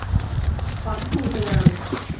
পাঠকও উঠে দাঁড়াল।